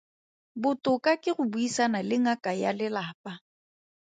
Botoka ke go buisana le ngaka ya lelapa.